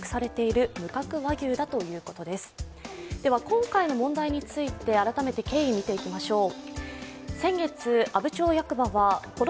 今回の問題について改めて経緯を見ていきましょう。